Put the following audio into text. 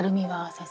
先生。